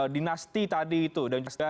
dinasti tadi itu